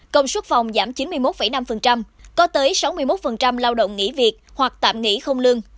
công suất phòng giảm chín mươi một năm có tới sáu mươi một lao động nghỉ việc hoặc tạm nghỉ không lương